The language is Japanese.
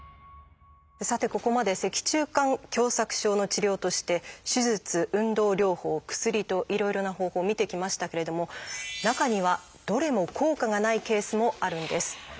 さてここまで脊柱管狭窄症の治療として手術運動療法薬といろいろな方法見てきましたけれども中にはどれも効果がないケースもあるんです。